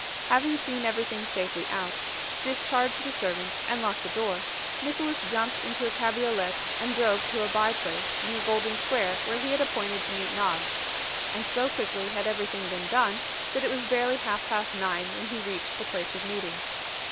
Having seen everything safely out, discharged the servant, and locked the door, Nicholas jumped into a cabriolet and drove to a bye place near Golden Square where he had appointed to meet Noggs; and so quickly had everything been done, that it was barely half past nine when he reached the place of meeting.